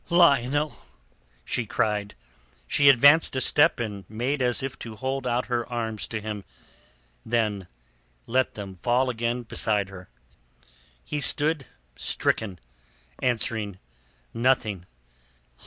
"Lionel!" she cried. She advanced a step and made as if to hold out her arms to him, then let them fall again beside her. He stood stricken, answering nothing.